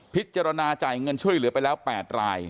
พิจารณาจ่ายเงินช่วยเหลือไปแล้ว๘ราย